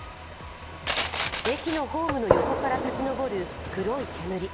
駅のホームの横から立ち上る黒い煙。